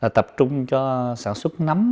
là tập trung cho sản xuất nấm